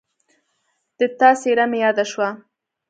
د تا څېره مې یاده شوه